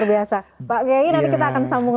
masya allah luar biasa